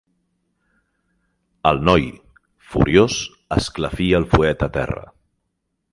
El noi, furiós, esclafí el fuet a terra.